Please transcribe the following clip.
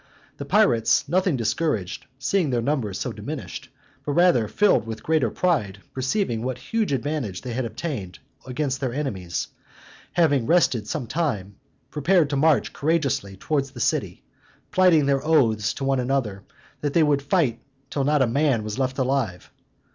The pirates, nothing discouraged, seeing their number so diminished, but rather filled with greater pride, perceiving what huge advantage they had obtained against their enemies, having rested some time, prepared to march courageously towards the city, plighting their oaths to one another, that they would fight till not a man was left alive.